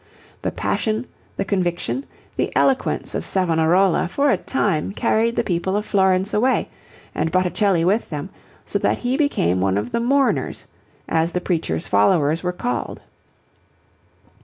The passion, the conviction, the eloquence of Savonarola for a time carried the people of Florence away, and Botticelli with them, so that he became one of the 'mourners' as the preacher's followers were called.